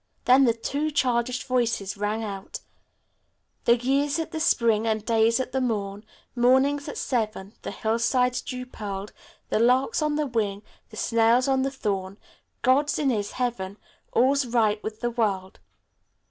Then the two childish voices rang out: "The year's at the spring And day's at the morn: Morning's at seven; The hillside's dew pearled; The lark's on the wing; The snail's on the thorn: God's in his heaven All's right with the world!"